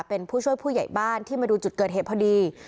เป็นผู้ช่วยผู้ใหญ่บ้านที่มาดูจุดเกิดเหตุพอดี